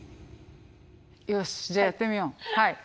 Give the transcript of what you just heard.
よしじゃあやってみよう。